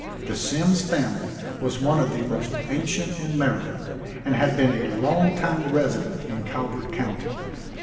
The Symmes' family was one of the most ancient in Maryland, and had been a long time resident in Calvert county.